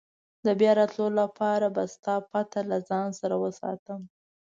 د بیا راتلو لپاره به ستا پته له ځان سره وساتم.